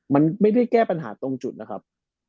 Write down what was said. มันไม่ได้แก้ปัญหาตรงจุดนะครับ